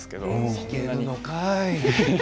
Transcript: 弾けるのかい。